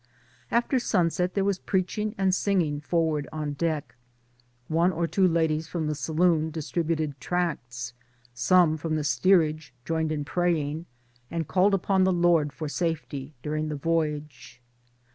After sunset there was preaching and singing forward on deck. 15 Digitized by VjOOQ IC 2IO TOWARDS DEMOCRACY One or two ladies from the saloon distributed tracts, some from the steerage joined in praying, and called upon the Lord for safety during the voyage.